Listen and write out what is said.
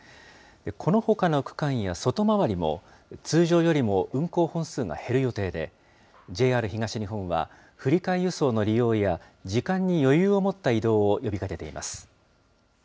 このほかの区間や外回りも、通常よりも運行本数が減る予定で、ＪＲ東日本は、振り替え輸送の利用や、時間に余裕を持った移動を呼びかけています。